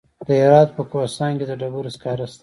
د هرات په کهسان کې د ډبرو سکاره شته.